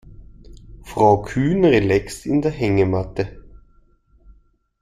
Frau Kühn relaxt in der Hängematte.